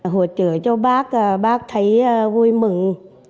hỗ trợ cho bác bác thấy vui mừng